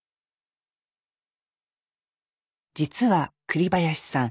実は栗林さん